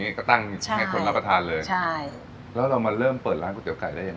นี่ก็ตั้งให้คนรับประทานเลยใช่แล้วเรามาเริ่มเปิดร้านก๋วเตี๋ไก่ได้ยังไง